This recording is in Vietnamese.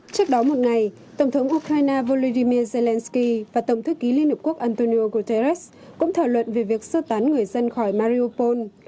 trước đó một ngày tổng thống ukraine volodymyr zelensky và tổng thư ký liên hợp quốc antonio guterres cũng thảo luận về việc sơ tán người dân khỏi mariopol